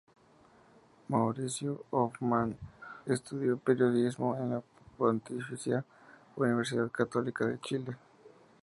Mauricio Hofmann estudió periodismo en la Pontificia Universidad Católica de Chile.